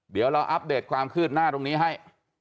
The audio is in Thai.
เดี๋ยวเราอัปเดตความคืบหน้าตรงนี้ให้